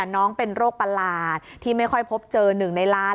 น้องเป็นโรคประหลาดที่ไม่ค่อยพบเจอ๑ในล้าน